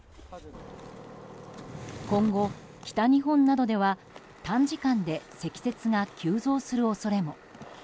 今後、北日本などでは短時間で積雪が急増する恐れも。